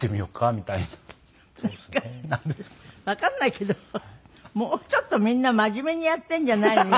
なんかわかんないけどもうちょっとみんな真面目にやってるんじゃないの？